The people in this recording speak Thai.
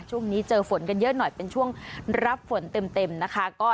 ช่วงนี้เจอฝนกันเยอะหน่อยเป็นช่วงรับฝนเต็มนะคะ